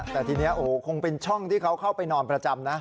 แต่ทีนี้โอ้โหคงเป็นช่องที่เขาเข้าไปนอนประจำนะ